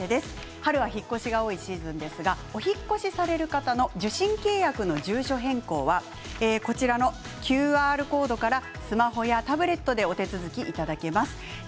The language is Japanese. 春は引っ越しの多いシーズンですがお引っ越しをされる方の受信契約の住所変更はこちらのＱＲコードからスマホやタブレットでお手続きいただけます。